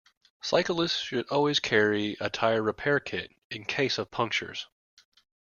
Cyclists should always carry a tyre-repair kit, in case of punctures